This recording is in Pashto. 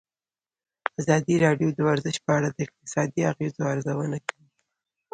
ازادي راډیو د ورزش په اړه د اقتصادي اغېزو ارزونه کړې.